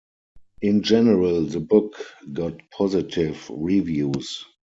In general the book got positive reviews.